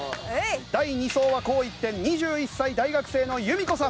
第２走は紅一点２１歳大学生のゆみこさん。